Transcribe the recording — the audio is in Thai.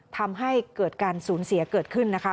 ทำให้เกิดการสูญเสียเกิดขึ้นนะคะ